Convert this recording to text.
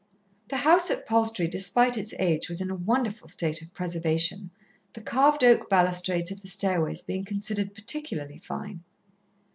The house at Palstrey, despite its age, was in a wonderful state of preservation, the carved oak balustrades of the stairways being considered particularly fine.